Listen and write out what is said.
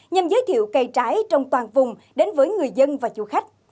nhiều cây trái trong toàn vùng đến với người dân và du khách